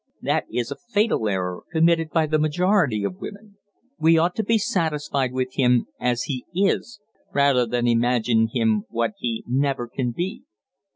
That is a fatal error committed by the majority of women. We ought to be satisfied with him as he is, rather than imagine him what he never can be."